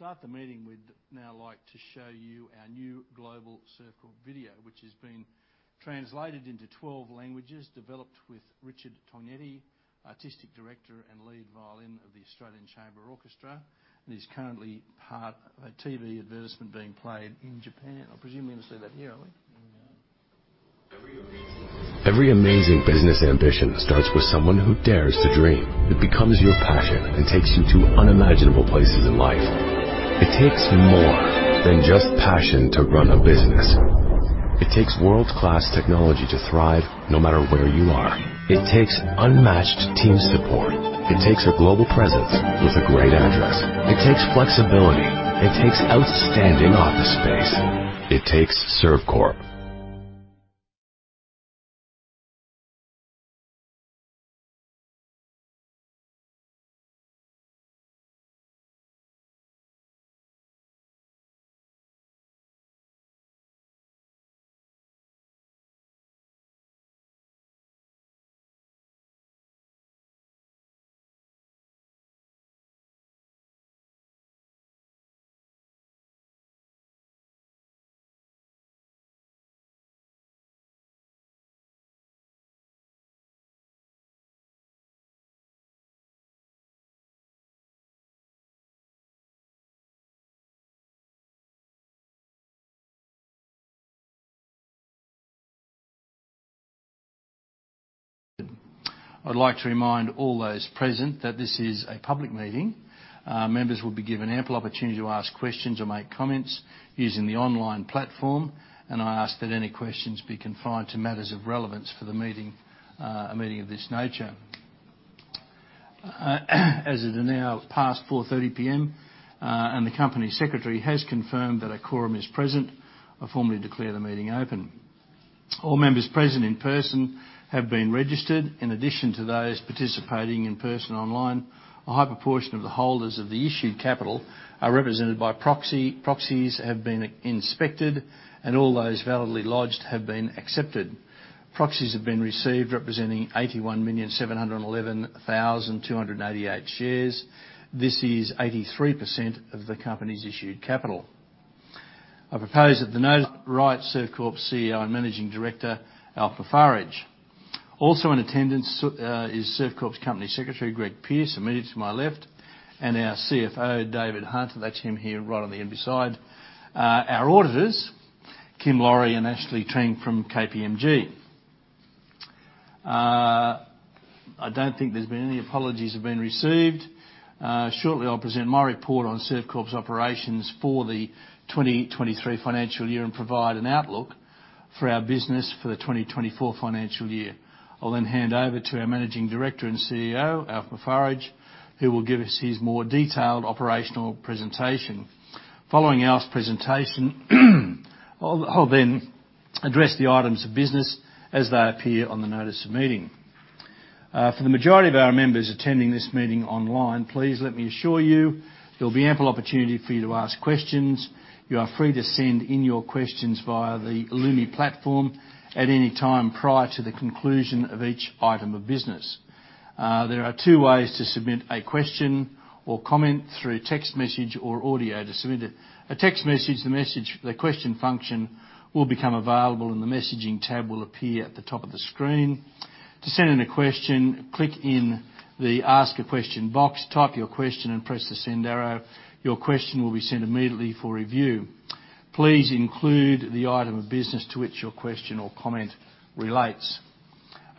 start the meeting, we'd now like to show you our new global Servcorp video, which has been translated into 12 languages, developed with Richard Tognetti, Artistic Director and Lead Violin of the Australian Chamber Orchestra, and is currently part of a TV advertisement being played in Japan. I presume we're going to see that here, are we? Every amazing business ambition starts with someone who dares to dream. It becomes your passion and takes you to unimaginable places in life. It takes more than just passion to run a business. It takes world-class technology to thrive, no matter where you are. It takes unmatched team support. It takes a global presence with a great address. It takes flexibility. It takes outstanding office space. It takes Servcorp. I'd like to remind all those present that this is a public meeting. Members will be given ample opportunity to ask questions or make comments using the online platform, and I ask that any questions be confined to matters of relevance for the meeting, a meeting of this nature. As it is now past 4:30 P.M., and the company secretary has confirmed that a quorum is present, I formally declare the meeting open. All members present in person have been registered. In addition to those participating in person online, a high proportion of the holders of the issued capital are represented by proxy. Proxies have been inspected, and all those validly lodged have been accepted. Proxies have been received representing 81,711,288 shares. This is 83% of the company's issued capital. I propose that the notice... Right, Servcorp's CEO and Managing Director, Alf Moufarrige. Also in attendance is Servcorp's Company Secretary, Greg Pearce, immediately to my left, and our CFO, David Hunt. That's him here, right on the end beside our auditors, Kim Lawry and Ashley Truong from KPMG. I don't think there's been any apologies have been received. Shortly, I'll present my report on Servcorp's operations for the 2023 financial year and provide an outlook for our business for the 2024 financial year. I'll then hand over to our Managing Director and CEO, Alf Moufarrige, who will give us his more detailed operational presentation. Following Alf's presentation, I'll then address the Items of business as they appear on the notice of meeting. For the majority of our members attending this meeting online, please let me assure you there'll be ample opportunity for you to ask questions. You are free to send in your questions via the Lumi platform at any time prior to the conclusion of each Item of business. There are two ways to submit a question or comment, through text message or audio. To submit a text message, the question function will become available, and the messaging tab will appear at the top of the screen. To send in a question, click in the Ask a Question box, type your question, and press the send arrow. Your question will be sent immediately for review. Please include the Item of business to which your question or comment relates.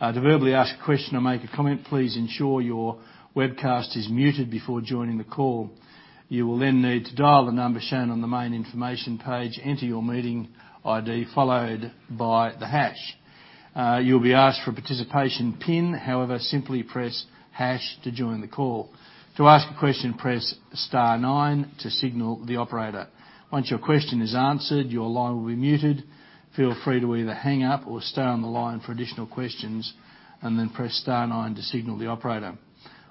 To verbally ask a question or make a comment, please ensure your webcast is muted before joining the call. You will then need to dial the number shown on the main information page, enter your meeting ID, followed by the hash. You'll be asked for a participation pin. However, simply press hash to join the call. To ask a question, press star nine to signal the operator. Once your question is answered, your line will be muted. Feel free to either hang up or stay on the line for additional questions, and then press star nine to signal the operator.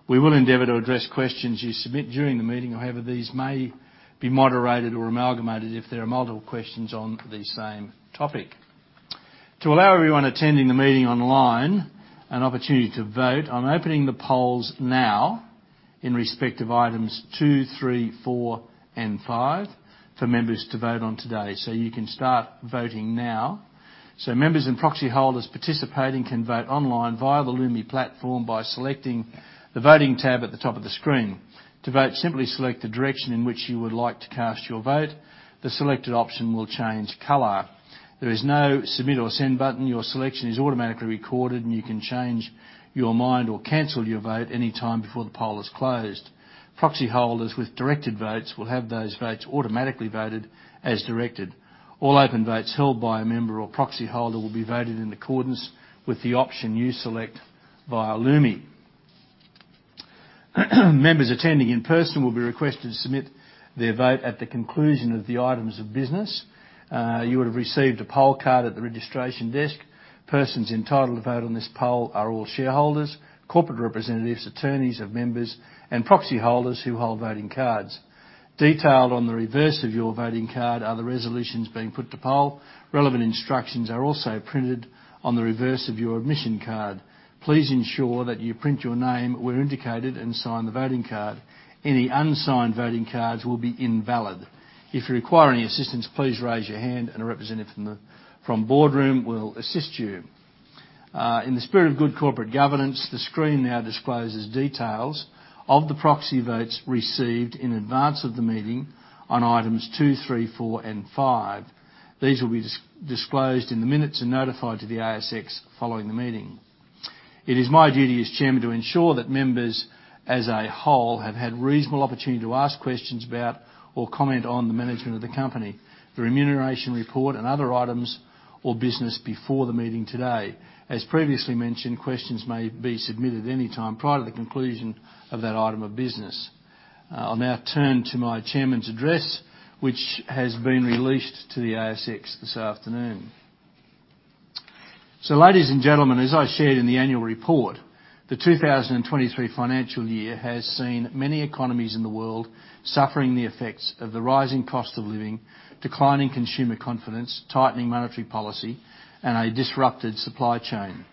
We will endeavor to address questions you submit during the meeting. However, these may be moderated or amalgamated if there are multiple questions on the same topic. To allow everyone attending the meeting online an opportunity to vote, I'm opening the polls now in respect of Items 2, 3, 4, and 5 for members to vote on today. You can start voting now. Members and proxy holders participating can vote online via the Lumi platform by selecting the Voting tab at the top of the screen. To vote, simply select the direction in which you would like to cast your vote. The selected option will change color. There is no submit or send button. Your selection is automatically recorded, and you can change your mind or cancel your vote anytime before the poll is closed. Proxy holders with directed votes will have those votes automatically voted as directed. All open votes held by a member or proxy holder will be voted in accordance with the option you select via Lumi. Members attending in person will be requested to submit their vote at the conclusion of the Items of business. You would have received a poll card at the registration desk. Persons entitled to vote on this poll are all shareholders, corporate representatives, attorneys of members, and proxy holders who hold voting cards. Detailed on the reverse of your voting card are the resolutions being put to poll. Relevant instructions are also printed on the reverse of your admission card. Please ensure that you print your name where indicated and sign the voting card. Any unsigned voting cards will be invalid. If you require any assistance, please raise your hand, and a representative from Boardroom will assist you. In the spirit of good corporate governance, the screen now discloses details of the proxy votes received in advance of the meeting on Items 2, 3, 4, and 5. These will be disclosed in the minutes and notified to the ASX following the meeting. It is my duty as Chairman to ensure that members, as a whole, have had reasonable opportunity to ask questions about or comment on the management of the company, the remuneration report, and other Items or business before the meeting today. As previously mentioned, questions may be submitted any time prior to the conclusion of that Item of business. I'll now turn to my Chairman's address, which has been released to the ASX this afternoon. Ladies and gentlemen, as I shared in the annual report, the 2023 financial year has seen many economies in the world suffering the effects of the rising cost of living, declining consumer confidence, tightening monetary policy, and a disrupted supply chain.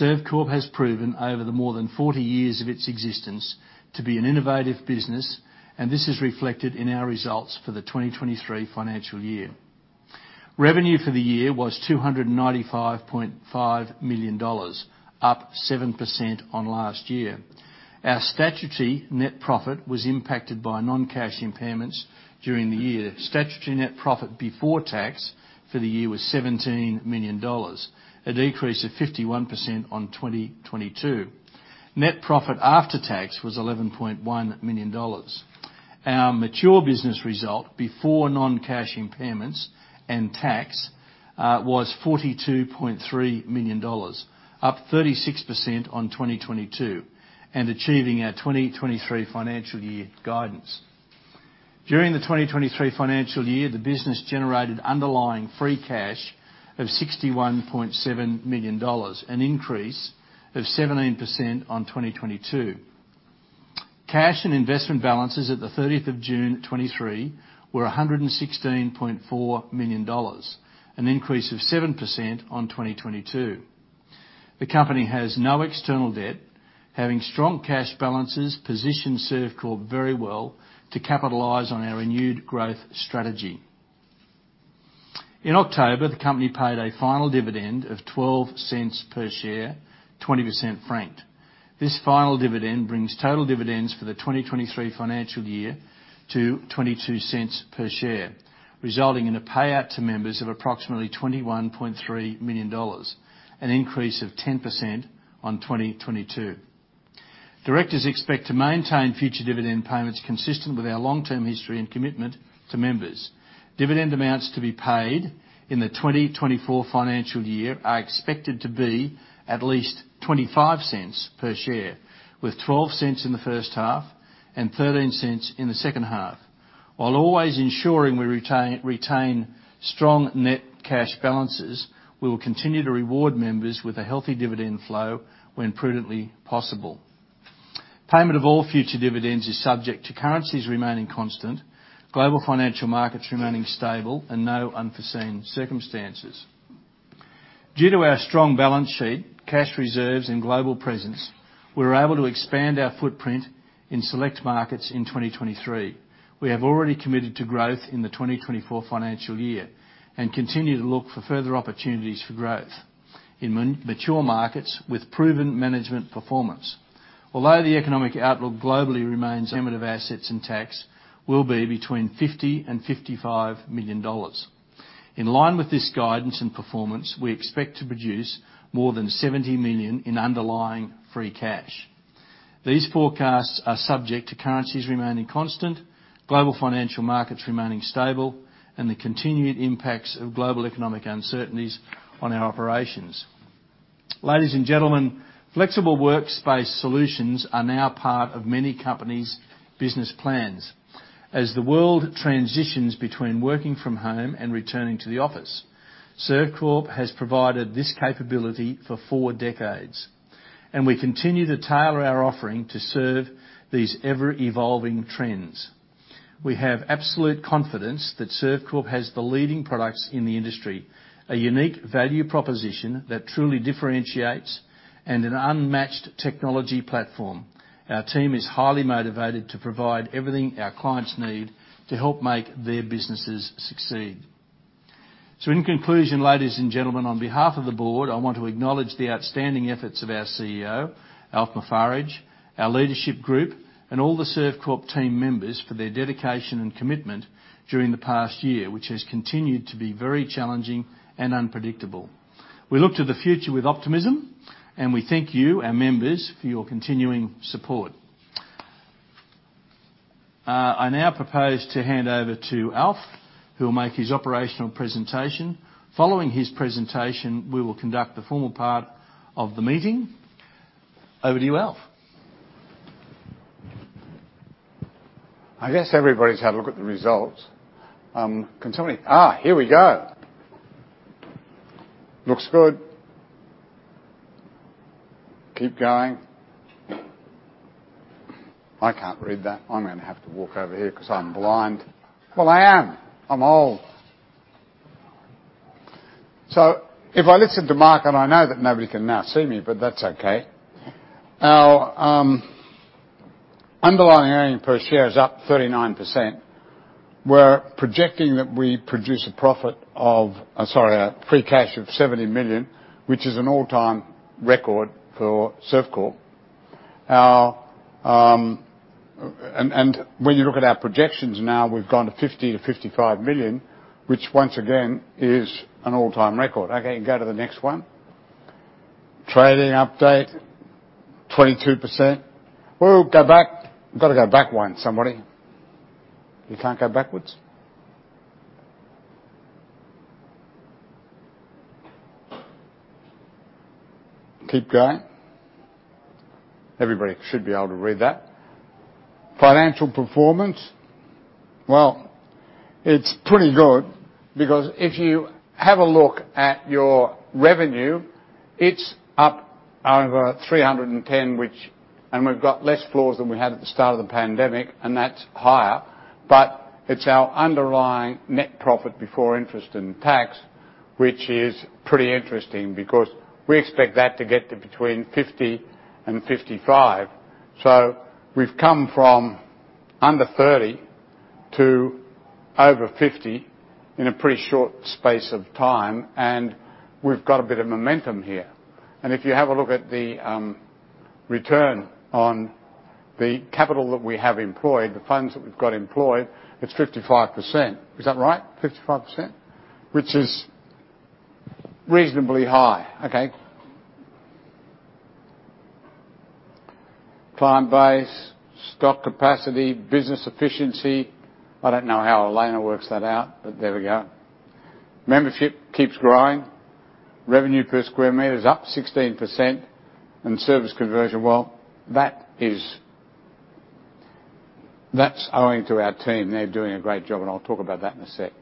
Servcorp has proven over the more than 40 years of its existence to be an innovative business, and this is reflected in our results for the 2023 financial year. Revenue for the year was 295.5 million dollars, up 7% on last year. Our statutory net profit was impacted by non-cash impairments during the year. Statutory net profit before tax for the year was 17 million dollars, a decrease of 51% on 2022. Net profit after tax was 11.1 million dollars. Our mature business result before non-cash impairments and tax was 42.3 million dollars, up 36% on 2022, and achieving our 2023 financial year guidance. During the 2023 financial year, the business generated underlying free cash of 61.7 million dollars, an increase of 17% on 2022. Cash and investment balances at the 30th of June 2023 were AUD 116.4 million, an increase of 7% on 2022. The company has no external debt. Having strong cash balances positions Servcorp very well to capitalize on our renewed growth strategy. In October, the company paid a final dividend of 0.12 per share, 20% franked. This final dividend brings total dividends for the 2023 financial year to 0.22 per share, resulting in a payout to members of approximately AUD 21.3 million, an increase of 10% on 2022. Directors expect to maintain future dividend payments consistent with our long-term history and commitment to members. Dividend amounts to be paid in the 2024 financial year are expected to be at least 0.25 per share, with 0.12 in the first half and 0.13 in the second half. While always ensuring we retain strong net cash balances, we will continue to reward members with a healthy dividend flow when prudently possible. Payment of all future dividends is subject to currencies remaining constant, global financial markets remaining stable, and no unforeseen circumstances. Due to our strong balance sheet, cash reserves, and global presence, we're able to expand our footprint in select markets in 2023. We have already committed to growth in the 2024 financial year and continue to look for further opportunities for growth in mature markets with proven management performance. Although the economic outlook globally remains... Amortization assets and tax will be between 50 million and 55 million dollars. In line with this guidance and performance, we expect to produce more than 70 million in underlying free cash. These forecasts are subject to currencies remaining constant, global financial markets remaining stable, and the continuing impacts of global economic uncertainties on our operations. Ladies and gentlemen, flexible workspace solutions are now part of many companies' business plans. As the world transitions between working from home and returning to the office, Servcorp has provided this capability for four decades, and we continue to tailor our offering to serve these ever-evolving trends. We have absolute confidence that Servcorp has the leading products in the industry, a unique value proposition that truly differentiates, and an unmatched technology platform. Our team is highly motivated to provide everything our clients need to help make their businesses succeed. So in conclusion, ladies and gentlemen, on behalf of the Board, I want to acknowledge the outstanding efforts of our CEO, Alf Moufarrige, our leadership group, and all the Servcorp team members for their dedication and commitment during the past year, which has continued to be very challenging and unpredictable. We look to the future with optimism, and we thank you, our members, for your continuing support. I now propose to hand over to Alf, who will make his operational presentation. Following his presentation, we will conduct the formal part of the meeting. Over to you, Alf. I guess everybody's had a look at the results. Can somebody... Ah, here we go. Looks good. Keep going. I can't read that. I'm gonna have to walk over here 'cause I'm blind. Well, I am. I'm old. So if I listen to Mark, and I know that nobody can now see me, but that's okay. Now, underlying earnings per share is up 39%. We're projecting that we produce a profit of—sorry, a free cash of 70 million, which is an all-time record for Servcorp. Our and when you look at our projections now, we've gone to 50 million-55 million, which once again, is an all-time record. Okay, go to the next one. Trading update, 22%. Oh, go back. You've got to go back one, somebody. You can't go backwards? Keep going. Everybody should be able to read that. Financial performance. Well, it's pretty good because if you have a look at your revenue, it's up over 310 million, which and we've got less floors than we had at the start of the pandemic, and that's higher. But it's our underlying net profit before interest and tax, which is pretty interesting because we expect that to get to between 50 million and 55 million. So we've come from under 30 million to over 50 million in a pretty short space of time, and we've got a bit of momentum here. And if you have a look at the return on the capital that we have employed, the funds that we've got employed, it's 55%. Is that right? 55%? Which is reasonably high. Okay. Client base, stock capacity, business efficiency. I don't know how Elena works that out, but there we go. Membership keeps growing. Revenue per square meter is up 16%, and service conversion, well, that is... That's owing to our team. They're doing a great job, and I'll talk about that in a sec.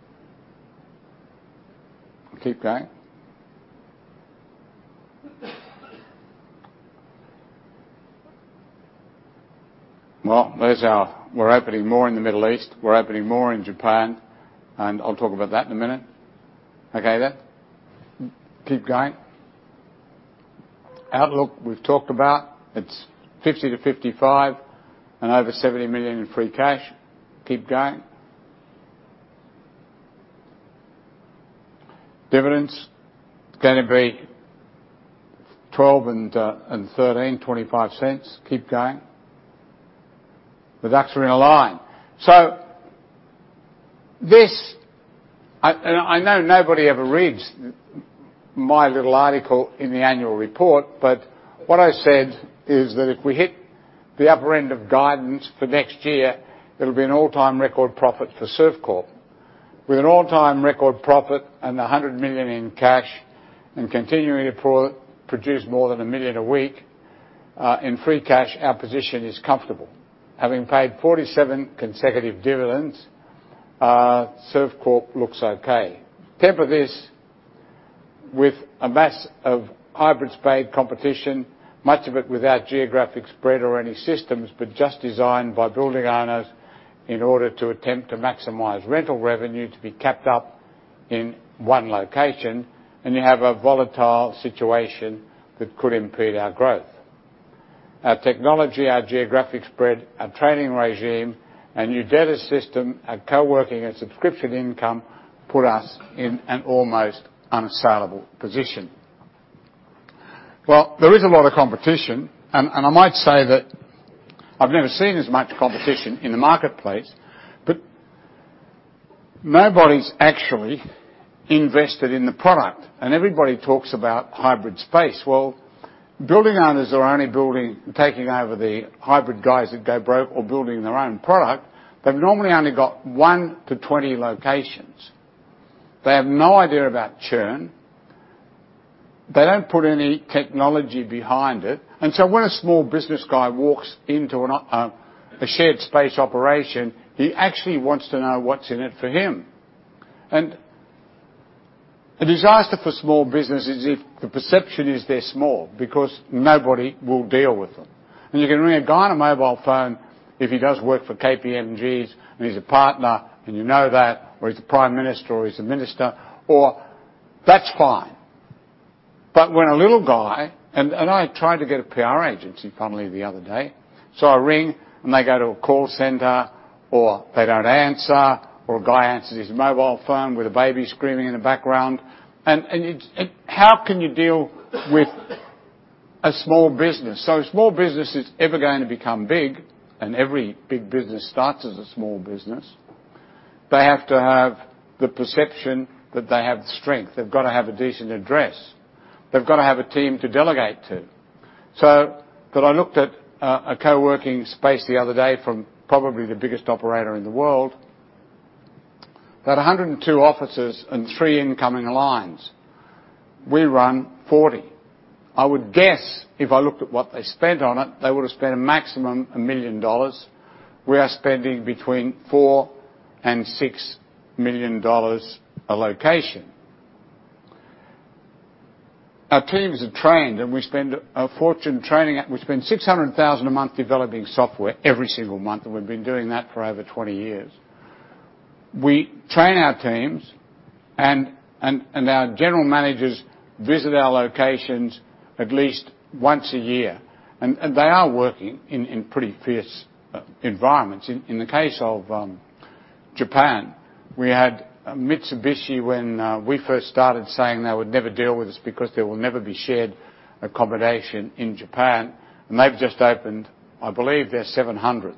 Keep going. Well, we're opening more in the Middle East, we're opening more in Japan, and I'll talk about that in a minute. Okay, then. Keep going. Outlook, we've talked about. It's 50 million- 55 million and over 70 million in free cash. Keep going. Dividends, gonna be 0.12 and 0.13, 0.25. Keep going. The dots are in a line. So this—I know nobody ever reads my little article in the annual report, but what I said is that if we hit the upper end of guidance for next year, it'll be an all-time record profit for Servcorp. With an all-time record profit and 100 million in cash, and continuing to produce more than 1 million a week in free cash, our position is comfortable. Having paid 47 consecutive dividends, Servcorp looks okay. Temper this with a mass of hybrid space competition, much of it without geographic spread or any systems, but just designed by building owners in order to attempt to maximize rental revenue to be capped up in one location, and you have a volatile situation that could impede our growth. Our technology, our geographic spread, our training regime, our new data system, our coworking, and subscription income put us in an almost unassailable position. Well, there is a lot of competition, and I might say that I've never seen as much competition in the marketplace, but nobody's actually invested in the product. And everybody talks about hybrid space. Well, building owners are only building... taking over the hybrid guys that go broke or building their own product. They've normally only got one to 20 locations. They have no idea about churn. They don't put any technology behind it, and so when a small business guy walks into an, a shared space operation, he actually wants to know what's in it for him. And a disaster for small business is if the perception is they're small, because nobody will deal with them. And you can ring a guy on a mobile phone if he does work for KPMG's, and he's a partner, and you know that, or he's a prime minister, or he's a minister, or... That's fine. But when a little guy-- And, and I tried to get a PR agency, finally, the other day. I ring, and they go to a call center, or they don't answer, or a guy answers his mobile phone with a baby screaming in the background. And, and it, and how can you deal with a small business? So if small business is ever going to become big, and every big business starts as a small business, they have to have the perception that they have strength. They've got to have a decent address. They've got to have a team to delegate to. So, but I looked at a coworking space the other day from probably the biggest operator in the world. They had 102 offices and three incoming lines. We run 40. I would guess, if I looked at what they spent on it, they would have spent a maximum of 1 million dollars. We are spending between 4 million and 6 million dollars a location. Our teams are trained, and we spend a fortune training. We spend 600,000 a month developing software every single month, and we've been doing that for over 20 years. We train our teams, and our general managers visit our locations at least once a year, and they are working in pretty fierce environments. In the case of Japan, we had Mitsubishi when we first started saying they would never deal with us because there will never be shared accommodation in Japan, and they've just opened, I believe, their 700th.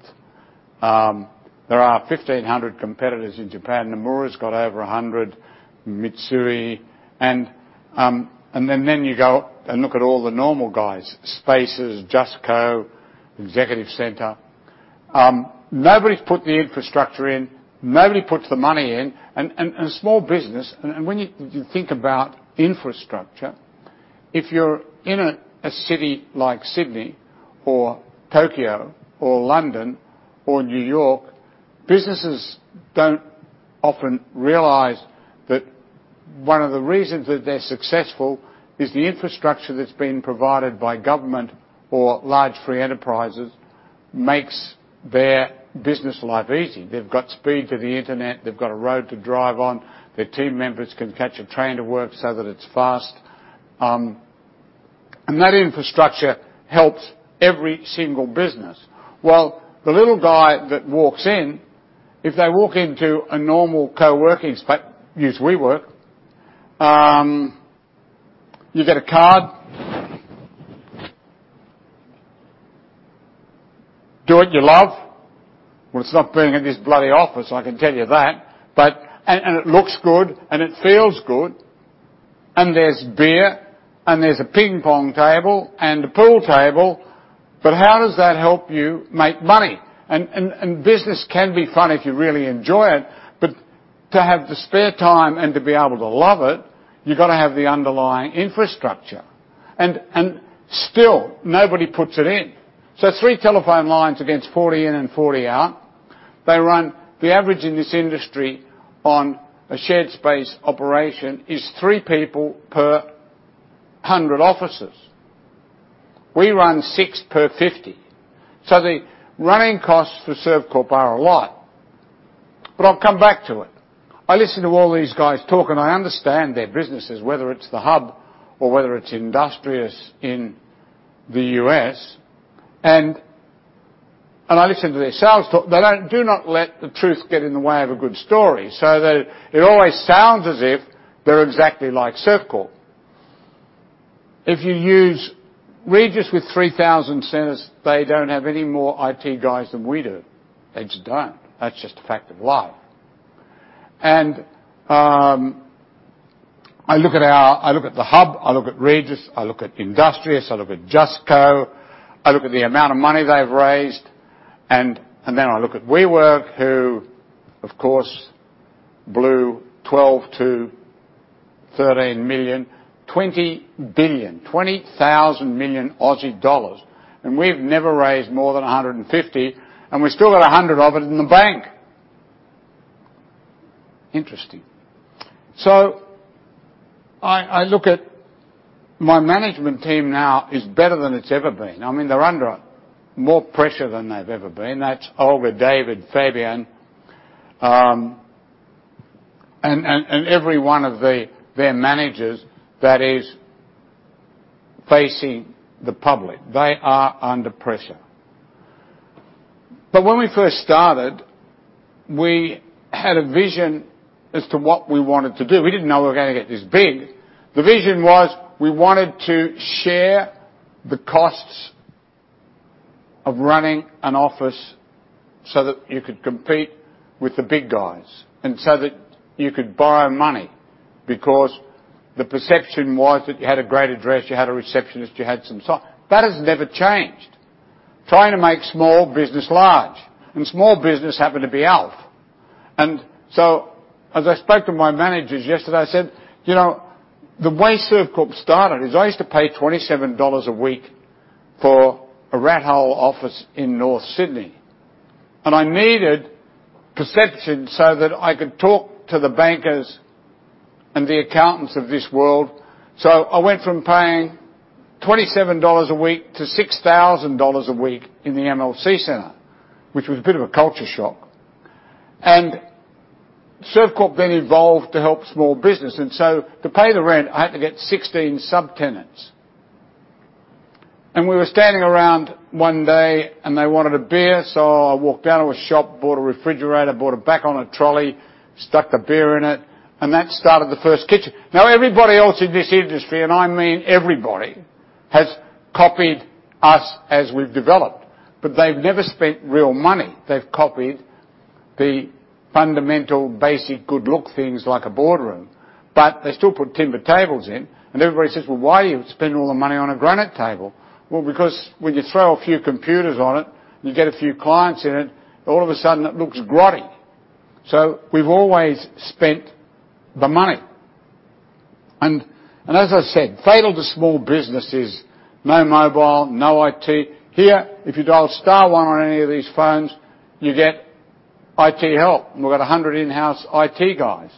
There are 1,500 competitors in Japan. Nomura's got over 100, Mitsui, and then you go and look at all the normal guys, Spaces, JustCo, Executive Centre. Nobody's put the infrastructure in. Nobody puts the money in. In small business, when you think about infrastructure, if you're in a city like Sydney or Tokyo or London or New York, businesses don't often realize that one of the reasons that they're successful is the infrastructure that's been provided by government or large free enterprises makes their business life easy. They've got speed to the internet. They've got a road to drive on. Their team members can catch a train to work so that it's fast. And that infrastructure helps every single business. While the little guy that walks in, if they walk into a normal coworking space, use WeWork, you get a card. "Do what you love." Well, it's not being in this bloody office, I can tell you that! But... And it looks good, and it feels good, and there's beer, and there's a ping pong table and a pool table, but how does that help you make money? And business can be fun if you really enjoy it, but to have the spare time and to be able to love it, you've got to have the underlying infrastructure, and still, nobody puts it in. So three telephone lines against 40 in and 40 out, they run the average in this industry on a shared space operation is three people per 100 offices. We run six per 50, so the running costs for Servcorp are a lot. But I'll come back to it. I listen to all these guys talk, and I understand their businesses, whether it's the Hub or whether it's Industrious in the U.S., and I listen to their sales talk. They don't let the truth get in the way of a good story, so it always sounds as if they're exactly like Servcorp. If you use Regus with 3,000 centers, they don't have any more IT guys than we do. They just don't. That's just a fact of life. I look at the Hub, I look at Regus, I look at Industrious, I look at JustCo, I look at the amount of money they've raised, and then I look at WeWork, who, of course, blew 12 million-13 million, 20 billion, 20,000 million Aussie dollars, and we've never raised more than 150 million, and we've still got 100 million of it in the bank. Interesting. So I look at my management team now is better than it's ever been. I mean, they're under more pressure than they've ever been. That's Oliver, David, Fabian, and every one of their managers that is facing the public. They are under pressure. But when we first started, we had a vision as to what we wanted to do. We didn't know we were going to get this big. The vision was we wanted to share the costs of running an office so that you could compete with the big guys, and so that you could borrow money, because the perception was that you had a great address, you had a receptionist, you had some stuff. That has never changed. Trying to make small business large, and small business happened to be Alf. As I spoke to my managers yesterday, I said: "You know, the way Servcorp started is I used to pay 27 dollars a week for a rat hole office in North Sydney, and I needed perception so that I could talk to the bankers and the accountants of this world. So I went from paying 27 dollars a week to 6,000 dollars a week in the MLC Centre, which was a bit of a culture shock. Servcorp then evolved to help small business, and so to pay the rent, I had to get 16 subtenants. And we were standing around one day, and they wanted a beer, so I walked down to a shop, bought a refrigerator, brought it back on a trolley, stuck the beer in it, and that started the first kitchen." Now, everybody else in this industry, and I mean everybody, has copied us as we've developed, but they've never spent real money. They've copied the fundamental, basic, good look things like a Boardroom, but they still put timber tables in, and everybody says, "Well, why are you spending all the money on a granite table?" Well, because when you throw a few computers on it and you get a few clients in it, all of a sudden it looks grotty. So we've always spent the money. And, and as I said, fatal to small business is no mobile, no IT. Here, if you dial star one on any of these phones, you get IT help, and we've got 100 in-house IT guys.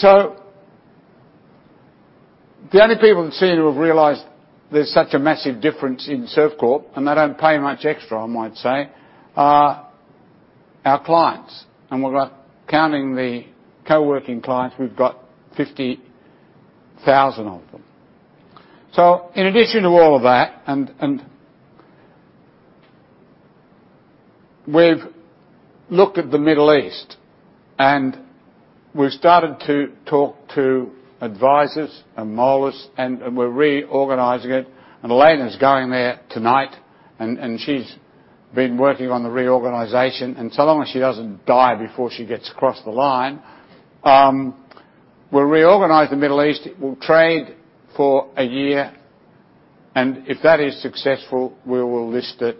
The only people that seem to have realized there's such a massive difference in Servcorp, and they don't pay much extra, I might say, are our clients, and we've got—counting the coworking clients, we've got 50,000 of them. So in addition to all of that, and we've looked at the Middle East, and we've started to talk to advisors and Moelis, and we're reorganizing it. And Elena's going there tonight, and she's been working on the reorganization, and so long as she doesn't die before she gets across the line, we'll reorganize the Middle East. We'll trade for a year, and if that is successful, we will list it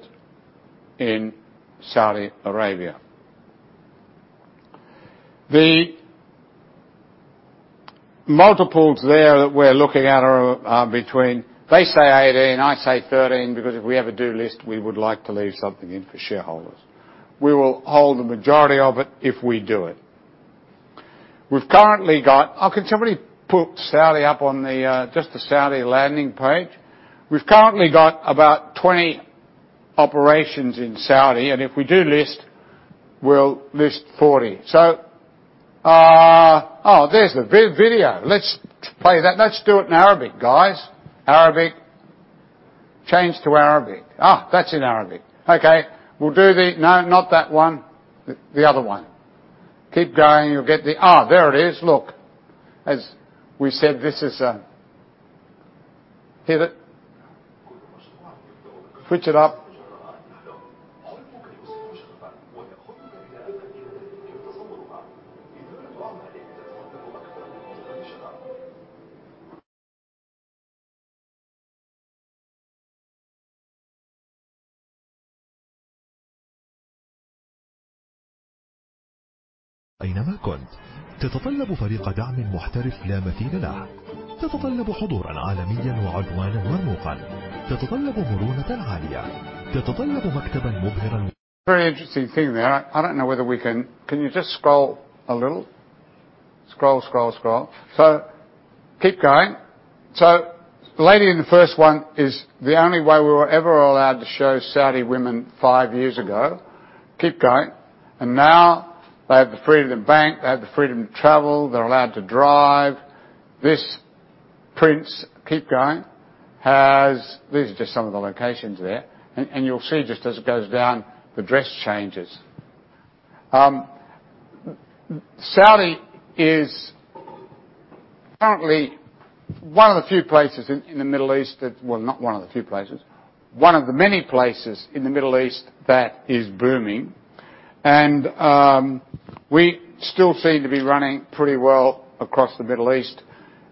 in Saudi Arabia. The multiples there that we're looking at are between... They say 18, I say 13, because if we ever do list, we would like to leave something in for shareholders. We will hold the majority of it if we do it. We've currently got-- Oh, can somebody put Saudi up on the, Just the Saudi landing page? We've currently got about 20 operations in Saudi, and if we do list, we'll list 40. So, Oh, there's the video. Let's play that. Let's do it in Arabic, guys. Arabic. Change to Arabic. Ah, that's in Arabic. Okay, we'll do the... No, not that one, the other one. Keep going, you'll get the... Ah, there it is. Look, as we said, this is, hit it. Switch it up. Very interesting thing there. I don't know whether we can-- Can you just scroll a little? Scroll, scroll, scroll. So keep going. So the lady in the first one is the only way we were ever allowed to show Saudi women five years ago. Keep going. And now, they have the freedom to bank, they have the freedom to travel, they're allowed to drive. This prince, keep going, has... These are just some of the locations there, and you'll see just as it goes down, the dress changes. Saudi is currently one of the few places in the Middle East that... Well, not one of the few places, one of the many places in the Middle East that is booming. And we still seem to be running pretty well across the Middle East,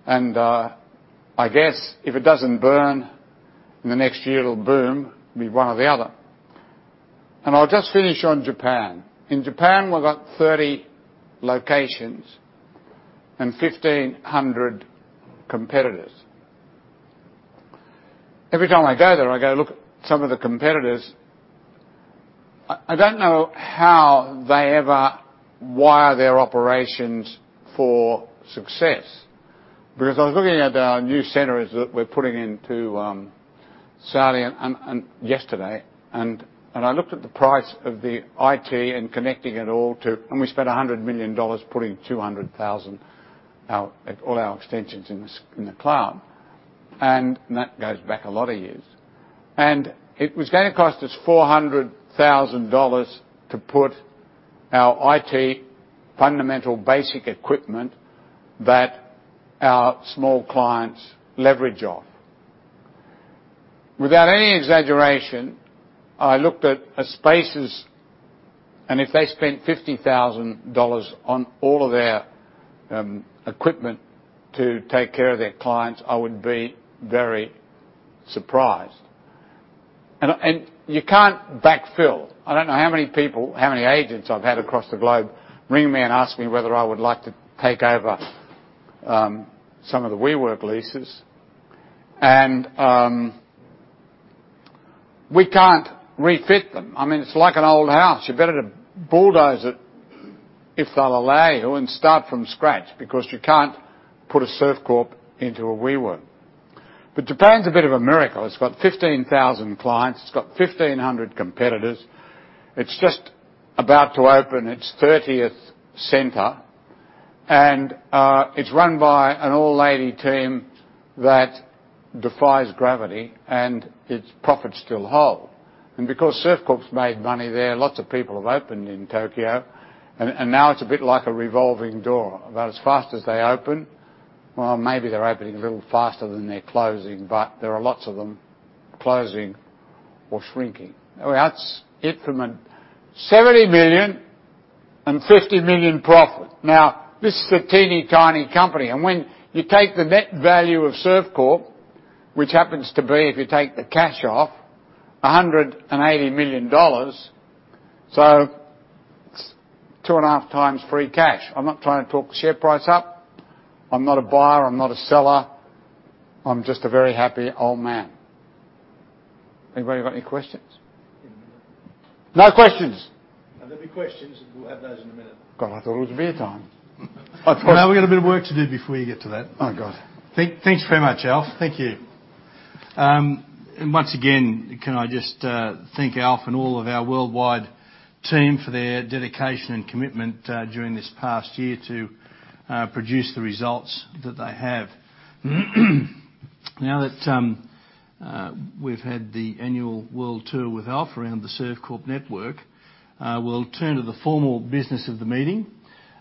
and I guess if it doesn't burn in the next year, it'll boom. It'll be one or the other. And I'll just finish on Japan. In Japan, we've got 30 locations and 1,500 competitors. Every time I go there, I go look at some of the competitors. I don't know how they ever wire their operations for success, because I was looking at our new centers that we're putting into Saudi and yesterday, and I looked at the price of the IT and connecting it all to. And we spent 100 million dollars putting 200,000 our, all our extensions in the cloud, and that goes back a lot of years. And it was gonna cost us 400,000 dollars to put our IT fundamental basic equipment that our small clients leverage off. Without any exaggeration, I looked at a Spaces, and if they spent $50,000 on all of their equipment to take care of their clients, I would be very surprised. And you can't backfill. I don't know how many people, how many agents I've had across the globe ring me and ask me whether I would like to take over some of the WeWork leases. And we can't refit them. I mean, it's like an old house. You're better to bulldoze it, if they'll allow you, and start from scratch because you can't put a Servcorp into a WeWork. But Japan's a bit of a miracle. It's got 15,000 clients, it's got 1,500 competitors. It's just about to open its 30th center, and it's run by an all-lady team that defies gravity, and its profits still hold. And because Servcorp's made money there, lots of people have opened in Tokyo, and, and now it's a bit like a revolving door, about as fast as they open. Well, maybe they're opening a little faster than they're closing, but there are lots of them closing or shrinking. Well, that's it from a 70 million and 50 million profit. Now, this is a teeny-tiny company, and when you take the net value of Servcorp, which happens to be, if you take the cash off, 180 million dollars, so it's 2.5x free cash. I'm not trying to talk the share price up. I'm not a buyer, I'm not a seller. I'm just a very happy old man.... Anybody got any questions? No questions! There'll be questions, and we'll have those in a minute. God, I thought it was beer time. No, we've got a bit of work to do before you get to that. Oh, God. Thanks very much, Alf. Thank you. And once again, can I just thank Alf and all of our worldwide team for their dedication and commitment during this past year to produce the results that they have. Now that we've had the annual world tour with Alf around the Servcorp network, we'll turn to the formal business of the meeting.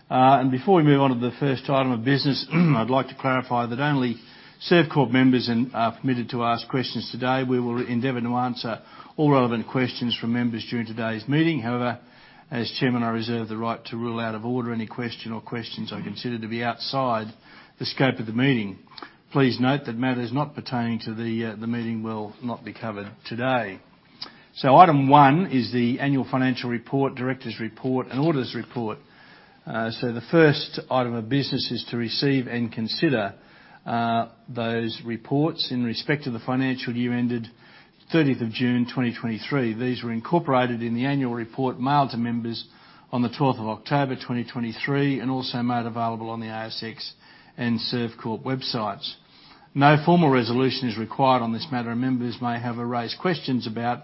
And before we move on to the first Item of business, I'd like to clarify that only Servcorp members are permitted to ask questions today. We will endeavor to answer all relevant questions from members during today's meeting. However, as chairman, I reserve the right to rule out of order any question or questions I consider to be outside the scope of the meeting. Please note that matters not pertaining to the meeting will not be covered today. So Item 1 is the Annual Financial Report, Directors' Report, and Auditors' Report. So the first Item of business is to receive and consider those reports in respect to the financial year ended 30th of June 2023. These were incorporated in the annual report mailed to members on the 12th of October 2023, and also made available on the ASX and Servcorp websites. No formal resolution is required on this matter, and members may have or raise questions about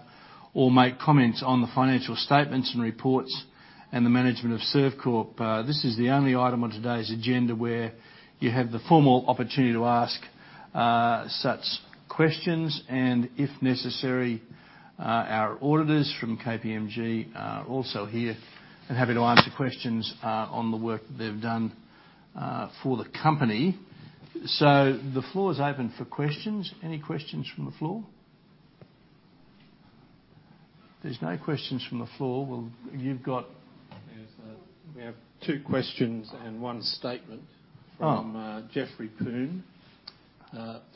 or make comments on the financial statements and reports and the management of Servcorp. This is the only Item on today's agenda where you have the formal opportunity to ask such questions, and if necessary, our auditors from KPMG are also here and happy to answer questions on the work that they've done for the company. So the floor is open for questions. Any questions from the floor? If there's no questions from the floor, well, you've got- Yes, we have two questions and one statement- Oh. From Jeffrey Poon.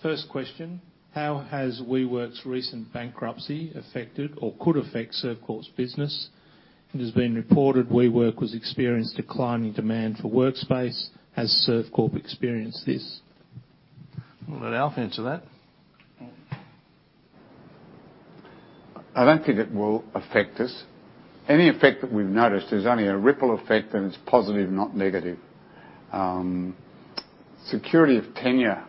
First question: How has WeWork's recent bankruptcy affected or could affect Servcorp's business? It has been reported WeWork was experienced declining demand for workspace. Has Servcorp experienced this? We'll let Alf answer that. I don't think it will affect us. Any effect that we've noticed is only a ripple effect, and it's positive, not negative. Security of tenure,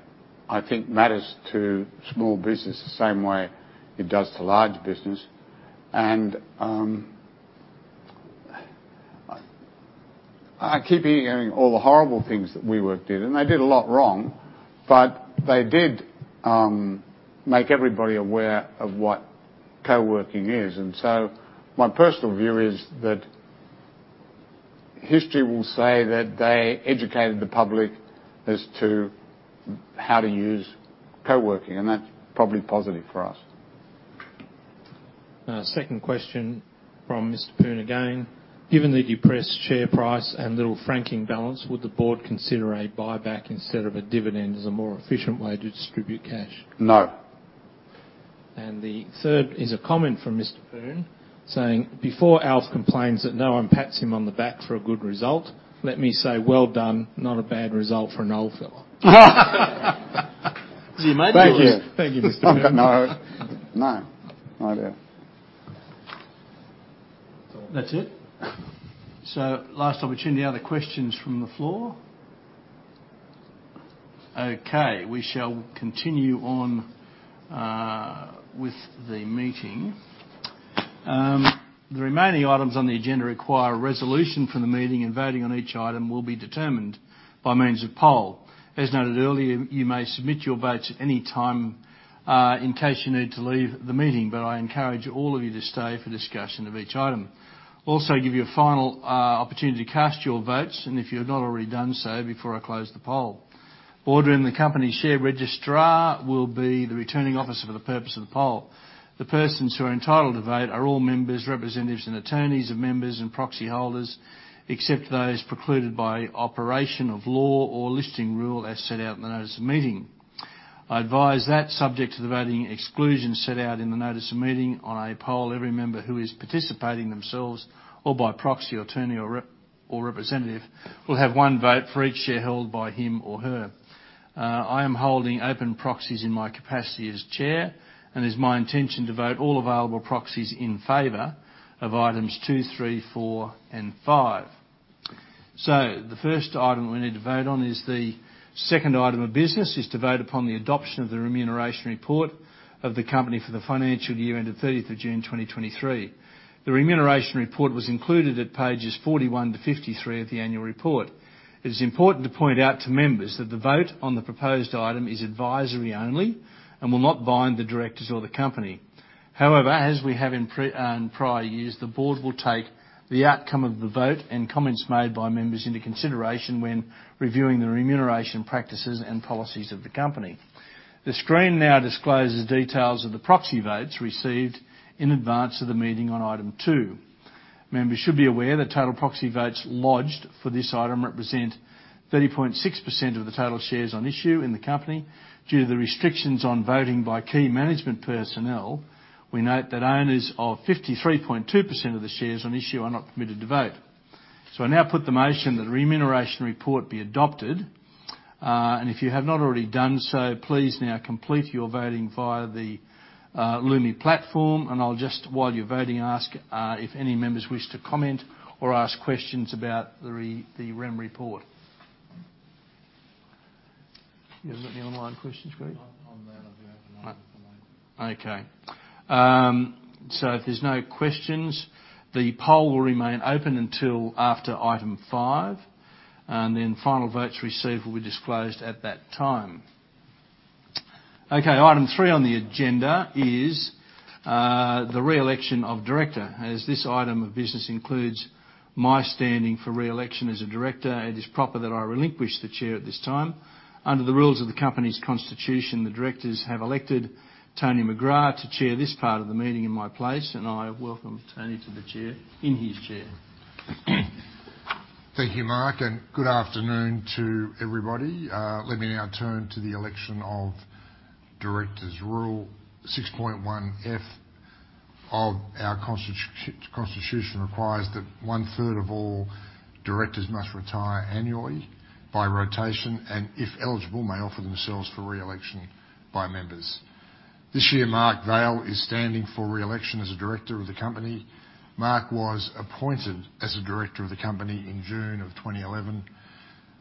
I think, matters to small business the same way it does to large business. And I keep hearing all the horrible things that WeWork did, and they did a lot wrong, but they did make everybody aware of what coworking is, and so my personal view is that history will say that they educated the public as to how to use coworking, and that's probably positive for us. Second question from Mr. Poon again: Given the depressed share price and little franking balance, would the Board consider a buyback instead of a dividend as a more efficient way to distribute cash? No. The third is a comment from Mr. Poon, saying: "Before Alf complains that no one pats him on the back for a good result, let me say, well done. Not a bad result for an old fellow. He made me laugh. Thank you. Thank you, Mr. Poon. No. No, no idea. That's all. That's it? So last opportunity, other questions from the floor? Okay, we shall continue on with the meeting. The remaining Items on the agenda require a resolution from the meeting, and voting on each Item will be determined by means of poll. As noted earlier, you may submit your votes at any time, in case you need to leave the meeting, but I encourage all of you to stay for discussion of each Item. Also, give you a final opportunity to cast your votes, and if you have not already done so before I close the poll. Auditor and the company share registrar will be the returning officer for the purpose of the poll. The persons who are entitled to vote are all members, representatives and attorneys of members and proxy holders, except those precluded by operation of law or listing rule, as set out in the notice of meeting. I advise that subject to the voting exclusions set out in the notice of meeting on a poll, every member who is participating themselves or by proxy, attorney, or representative, will have one vote for each share held by him or her. I am holding open proxies in my capacity as chair, and it's my intention to vote all available proxies in favor of Items 2,3,4, and 5. So the first Item we need to vote on is the second Item of business, is to vote upon the adoption of the Remuneration Report of the company for the financial year ended 30th of June 2023. The Remuneration Report was included at pages 41 to 53 of the annual report. It is important to point out to members that the vote on the proposed Item is advisory only and will not bind the directors or the company. However, as we have in prior years, the Board will take the outcome of the vote and comments made by members into consideration when reviewing the remuneration practices and policies of the company. The screen now discloses details of the proxy votes received in advance of the meeting on Item 2. Members should be aware that total proxy votes lodged for this Item represent 30.6% of the total shares on issue in the company. Due to the restrictions on voting by key management personnel, we note that owners of 53.2% of the shares on issue are not permitted to vote. So I now put the motion that the remuneration report be adopted, and if you have not already done so, please now complete your voting via the Lumi platform. And I'll just, while you're voting, ask if any members wish to comment or ask questions about the remuneration report. You haven't got any online questions, Greg? On that, I'll be open mind if they like. Okay. So if there's no questions, the poll will remain open until after Item 5, and then final votes received will be disclosed at that time. Okay, Item 3 on the agenda is the re-election of director. As this Item of business includes my standing for re-election as a Director, it is proper that I relinquish the chair at this time. Under the rules of the company's Constitution, the directors have elected Tony McGrath to chair this part of the meeting in my place, and I welcome Tony to the chair, in his chair. Thank you, Mark, and good afternoon to everybody. Let me now turn to the election of directors. Rule 6.1F of our Constitution requires that 1/3 of all directors must retire annually by rotation, and if eligible, may offer themselves for re-election by members. This year, Mark Vaile is standing for re-election as a Director of the company. Mark was appointed as a Director of the company in June of 2011,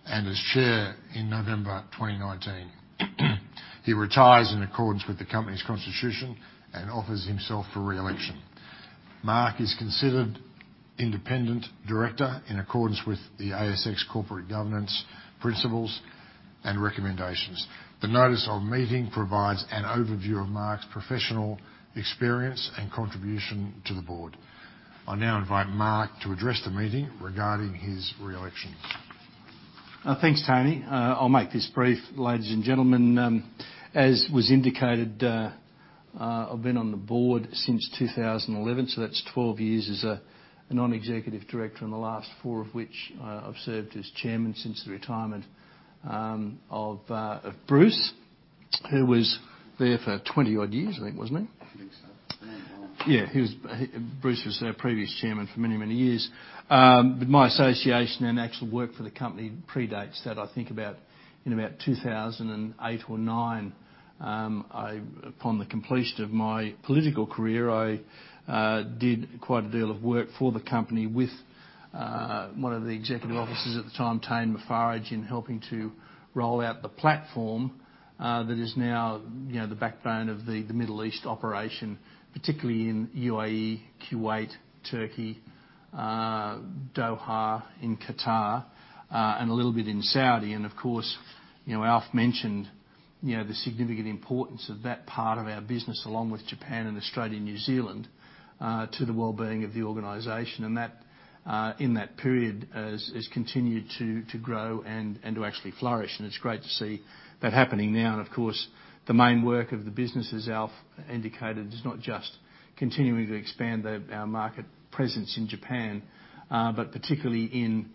and as Chair in November 2019. He retires in accordance with the company's Constitution and offers himself for re-election. Mark is considered Independent Director in accordance with the ASX Corporate Governance Principles and Recommendations. The notice of meeting provides an overview of Mark's professional experience and contribution to the board. I now invite Mark to address the meeting regarding his re-election. Thanks, Tony. I'll make this brief, ladies and gentlemen. As was indicated, I've been on theBoard since 2011, so that's 12 years as a Non-Executive Director, and the last four of which I've served as Chairman since the retirement of Bruce, who was there for 20-odd years, I think, wasn't he? I think so. Many more. Yeah, he was... Bruce was our previous Chairman for many, many years. But my association and actual work for the company predates that, I think about, in about 2008 or 2009. I, upon the completion of my political career, I did quite a deal of work for the company with one of the executive officers at the time, Taine Moufarrige, in helping to roll out the platform that is now, you know, the backbone of the Middle East operation, particularly in UAE, Kuwait, Turkey, Doha, in Qatar, and a little bit in Saudi. And of course, you know, Alf mentioned, you know, the significant importance of that part of our business, along with Japan and Australia, New Zealand, to the well-being of the organization. And that in that period has continued to grow and to actually flourish, and it's great to see that happening now. And of course, the main work of the business, as Alf indicated, is not just continuing to expand our market presence in Japan, but particularly in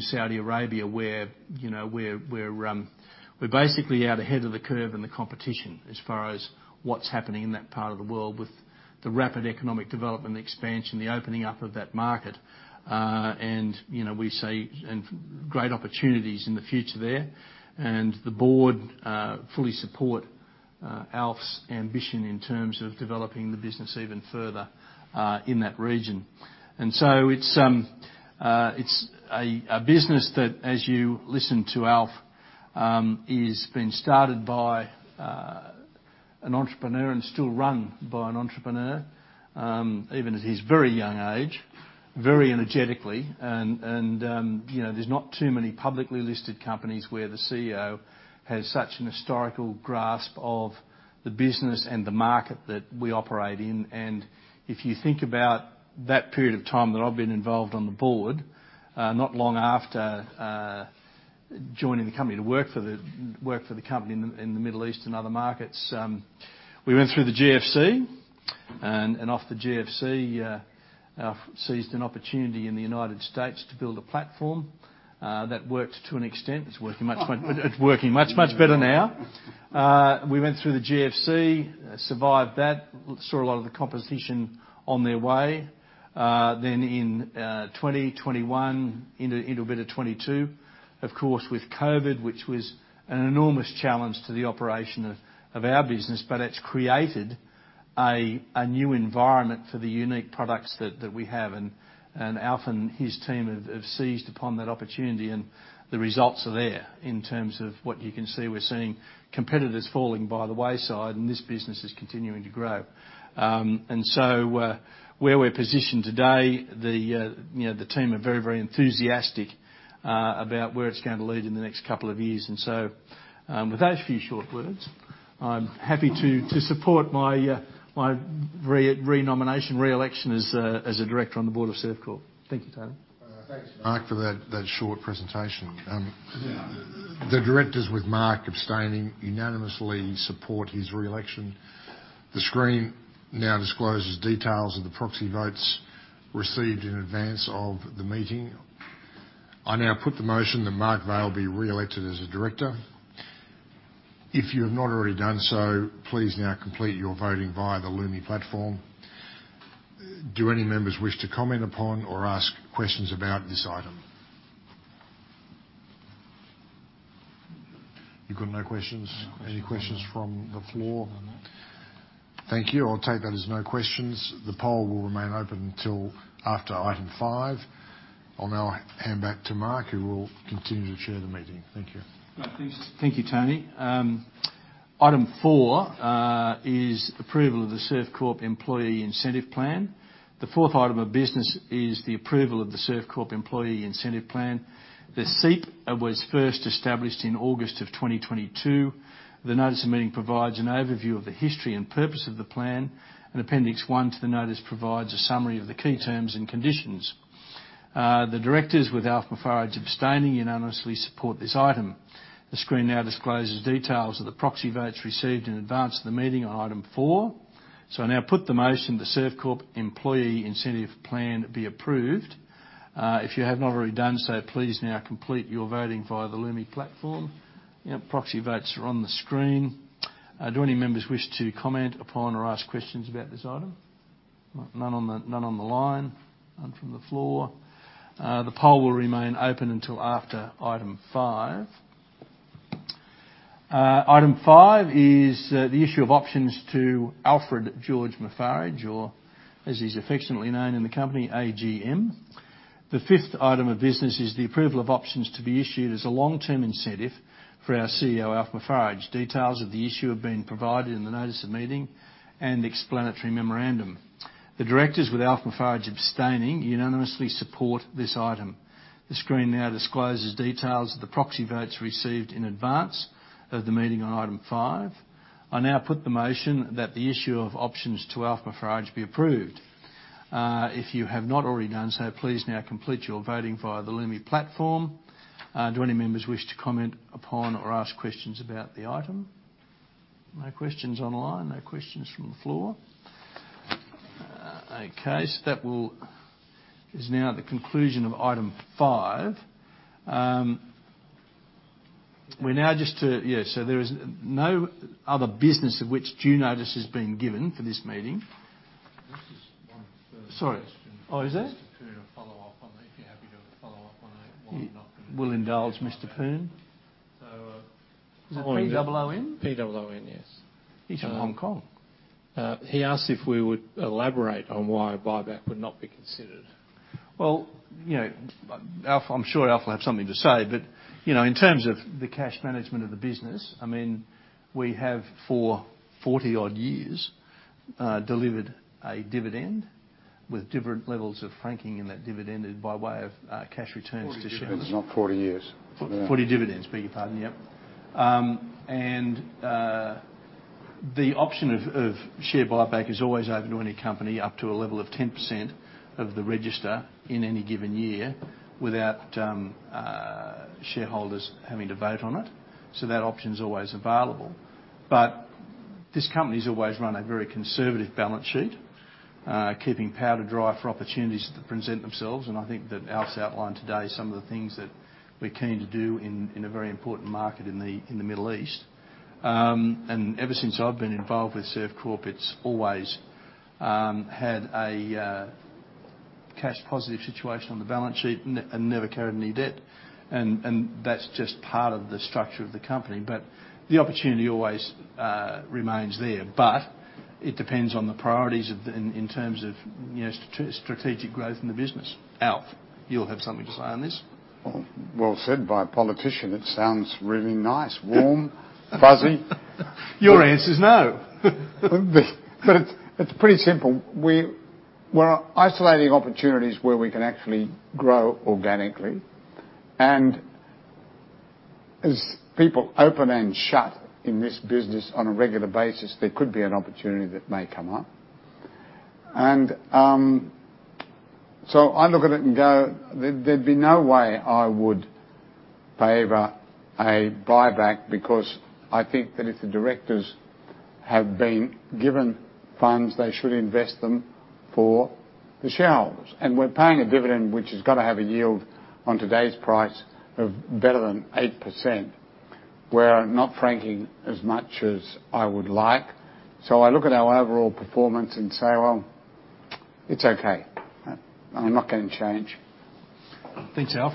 Saudi Arabia, where, you know, we're basically out ahead of the curve and the competition as far as what's happening in that part of the world with the rapid economic development, the expansion, the opening up of that market. And, you know, we see great opportunities in the future there. And the Board fully support Alf's ambition in terms of developing the business even further in that region. So it's a business that, as you listened to Alf, is being started by an entrepreneur and still run by an entrepreneur, even at his very young age, very energetically. And you know, there's not too many publicly listed companies where the CEO has such an historical grasp of the business and the market that we operate in. If you think about that period of time that I've been involved on the board, not long after joining the company to work for the company in the Middle East and other markets, we went through the GFC, and after the GFC seized an opportunity in the United States to build a platform that worked to an extent. It's working much better now. We went through the GFC, survived that, saw a lot of the competition on their way. Then in 2021, into a bit of 2022, of course, with COVID, which was an enormous challenge to the operation of our business, but it's created a new environment for the unique products that we have. Alf and his team have seized upon that opportunity, and the results are there in terms of what you can see. We're seeing competitors falling by the wayside, and this business is continuing to grow. Where we're positioned today, you know, the team are very enthusiastic about where it's going to lead in the next couple of years. So, with those few short words, I'm happy to support my re-nomination, re-election as a Director on the Board of Servcorp. Thank you, Tony. Thanks, Mark, for that short presentation. The directors with Mark abstaining unanimously support his re-election. The screen now discloses details of the proxy votes received in advance of the meeting. I now put the motion that Mark Vaile be re-elected as a Director.... If you have not already done so, please now complete your voting via the Lumi Platform. Do any members wish to comment upon or ask questions about this item? You've got no questions? No questions. Any questions from the floor? Thank you. I'll take that as no questions. The poll will remain open until after item five. I'll now hand back to Mark, who will continue to chair the meeting. Thank you. Right, thanks. Thank you, Tony. Item 4 is approval of the Servcorp Employee Incentive Plan. The fourth Item of business is the approval of the Servcorp Employee Incentive Plan. The SEIP was first established in August of 2022. The notice of meeting provides an overview of the history and purpose of the plan, and Appendix 1 to the notice provides a summary of the key terms and conditions. The directors, with Alf Moufarrige abstaining, unanimously support this Item. The screen now discloses details of the proxy votes received in advance of the meeting on Item 4. So I now put the motion the Servcorp Employee Incentive Plan be approved. If you have not already done so, please now complete your voting via the Lumi Platform. You know, proxy votes are on the screen. Do any members wish to comment upon or ask questions about this item? None on the, none on the line. None from the floor. The poll will remain open until after Item 5. Item 5 is the issue of options to Alfred George Moufarrige, or as he's affectionately known in the company, AGM. The fifth Item of business is the approval of options to be issued as a long-term incentive for our CEO, Alf Moufarrige. Details of the issue have been provided in the notice of meeting and explanatory memorandum. The directors, with Alf Moufarrige abstaining, unanimously support this Item. The screen now discloses details of the proxy votes received in advance of the meeting on Item 5. I now put the motion that the issue of options to Alf Moufarrige be approved. If you have not already done so, please now complete your voting via the Lumi Platform. Do any members wish to comment upon or ask questions about the item? No questions online. No questions from the floor. Is now the conclusion of Item 5. There is no other business of which due notice has been given for this meeting. There's just one further question. Sorry. Oh, is there? To follow up on, if you're happy to follow up on it, why we're not gonna- We'll indulge Mr. Poon. So, uh- Is it P-O-O-N? P-O-O-N, yes. He's from Hong Kong. He asked if we would elaborate on why a buyback would not be considered. Well, you know, Alf, I'm sure Alf will have something to say, but, you know, in terms of the cash management of the business, I mean, we have for 40-odd years delivered a dividend with different levels of franking, and that dividend is by way of cash returns to shareholders. 40 dividends, not 40 years. 40 dividends. Beg your pardon, yep. And the option of share buyback is always open to any company up to a level of 10% of the register in any given year, without shareholders having to vote on it, so that option is always available. But this company's always run a very conservative balance sheet, keeping powder dry for opportunities to present themselves. And I think that Alf's outlined today some of the things that we're keen to do in a very important market in the Middle East. And ever since I've been involved with Servcorp, it's always had a cash positive situation on the balance sheet and never carried any debt. And that's just part of the structure of the company. But the opportunity always remains there, but it depends on the priorities, in terms of, you know, strategic growth in the business. Alf, you'll have something to say on this. Well, well said by a politician. It sounds really nice, warm, fuzzy. Your answer is no. But, but it's, it's pretty simple. We're isolating opportunities where we can actually grow organically, and as people open and shut in this business on a regular basis, there could be an opportunity that may come up. And, so I look at it and go, there, there'd be no way I would favor a buyback, because I think that if the directors have been given funds, they should invest them for the shareholders. And we're paying a dividend, which has got to have a yield on today's price of better than 8%. We're not franking as much as I would like. So I look at our overall performance and say, "Well, it's okay. I'm not gonna change. Thanks, Alf.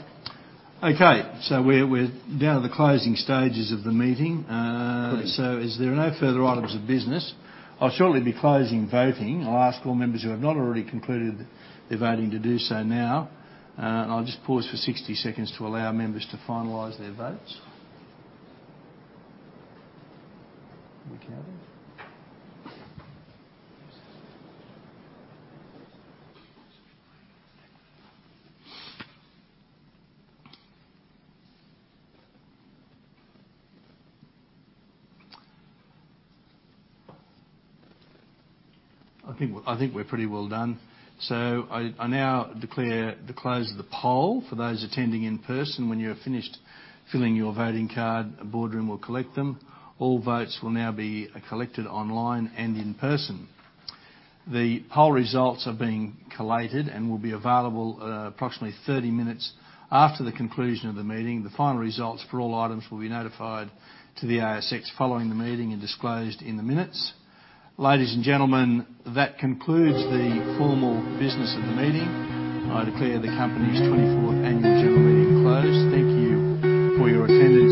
Okay, so we're down to the closing stages of the meeting. Good. So as there are no further items of business, I'll shortly be closing voting. I'll ask all members who have not already concluded their voting to do so now. And I'll just pause for 60 seconds to allow members to finalize their votes. I think we're pretty well done. So I now declare the close of the poll. For those attending in person, when you have finished filling your voting card, Boardroom will collect them. All votes will now be collected online and in person. The poll results are being collated and will be available at approximately 30 minutes after the conclusion of the meeting. The final results for all Items will be notified to the ASX following the meeting and disclosed in the minutes. Ladies and gentlemen, that concludes the formal business of the meeting. I declare the company's 24th Annual General Meeting closed. Thank you for your attendance.